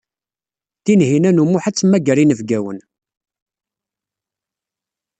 Tinhinan u Muḥ ad temmager inebgawen.